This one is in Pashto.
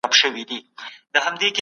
دوی ويل چي واک يې له خدایه دی.